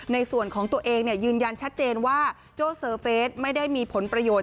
ในส่วนของตัวเองยืนยันชัดเจนว่าโจ้เซอร์เฟสไม่ได้มีผลประโยชน